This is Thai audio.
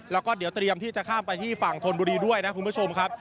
แล้วก็เดี๋ยวเตรียมที่จะข้ามไปที่ฝั่งธนบุรีด้วยนะคุณผู้ชมครับ